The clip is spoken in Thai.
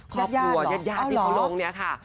ครอบครัวหรอกยาดที่เขาลงเนี่ยค่ะ